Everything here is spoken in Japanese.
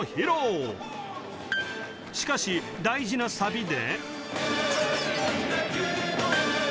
しかし大事なサビで